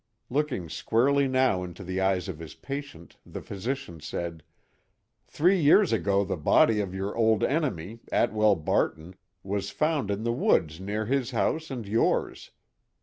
Looking squarely now into the eyes of his patient, the physician said: "Three years ago the body of your old enemy, Atwell Barton, was found in the woods near his house and yours.